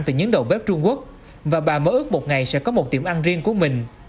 từ những đầu bếp trung quốc và bà mơ ước một ngày sẽ có một tiệm ăn riêng của mình